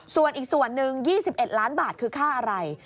ส่วนอีกส่วนหนึ่ง๒๑ล้านบาทคือค่าอะไร